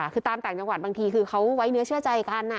คือตามต่างจังหวัดบางทีคือเขาไว้เนื้อเชื่อใจกัน